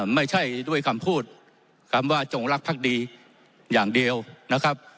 ไม่ใช่ด้วยคำพูดคำว่าจงรักภักดีอย่างเดียวนะครับ